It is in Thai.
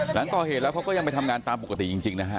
หลังก่อเหตุแล้วเขาก็ยังไปทำงานตามปกติจริงนะฮะ